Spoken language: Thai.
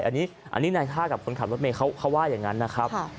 อันนี้อันนี้นายท่ากับคนขับรถเมฆเขาเขาว่าอย่างนั้นนะครับครับ